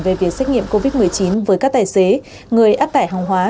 về việc xét nghiệm covid một mươi chín với các tài xế người áp tải hàng hóa